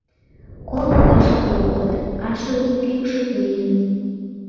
Коло важык лопкыт, аршын кӱкшыт лийын.